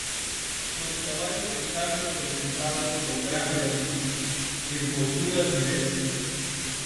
Los caballos están representados con gran realismo, en posturas diversas.